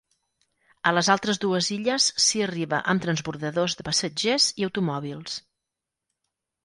A les altres dues illes s'hi arriba amb transbordadors de passatgers i automòbils.